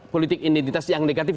politik identitas yang negatif